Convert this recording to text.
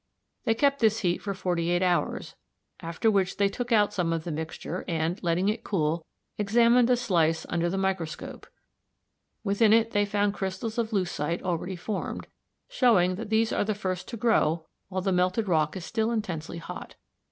They kept this heat for forty eight hours, after which they took out some of the mixture and, letting it cool, examined a slice under the microscope. Within it they found crystals of leucite already formed, showing that these are the first to grow while the melted rock is still intensely hot.